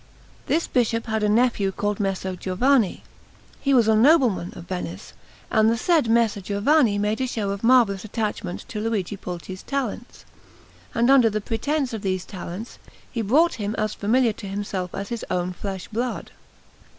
This bishop had a nephew called Messer Giovanni: he was a nobleman of Venice; and the said Messer Giovanni made show of marvellous attachment to Luigi Pulci's talents; and under the pretence of these talents, he brought him as familiar to himself as his own flesh blood.